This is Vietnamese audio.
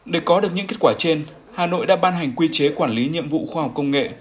để có được những kết quả trên hà nội đã ban hành quy chế quản lý nhiệm vụ khoa học công nghệ